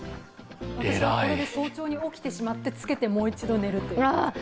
私はそれで早朝に起きてしまって、つけて寝るという。